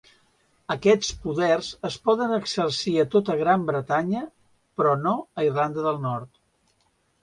Aquests poders es poden exercir a tota Gran Bretanya, però no a Irlanda del Nord.